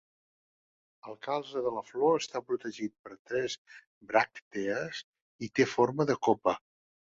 El calze de la flor està protegit per tres bràctees i té forma de copa.